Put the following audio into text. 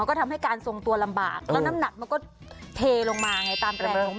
แล้วก็ทำให้การทรงตัวลำบากแล้วน้ำหนักมันก็เทลงมาไงตามแรงของมัน